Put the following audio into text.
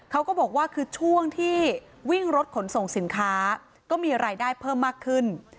เขาก็บอกว่าคือช่วงที่วิ่งรถขนส่งสินค้าก็มีรายได้เพิ่มมากขึ้น